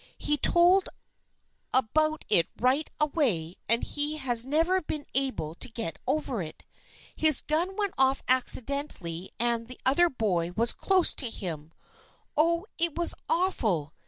He told about it right away and he has never been able to get over it. His gun went off accidentally and the other boy was close to him. Oh, it was awful